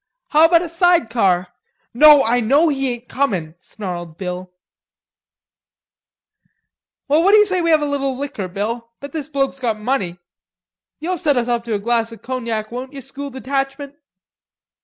"How about a side car?" "No, I know he ain't comin'," snarled Bill. "What d'you say we have a little liquor, Bill? Bet this bloke's got money. You'll set us up to a glass o' cognac, won't you, School Detachment?"